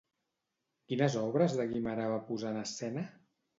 Quines obres de Guimerà van posar en escena?